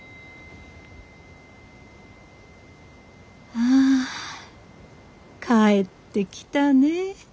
ああ帰ってきたね。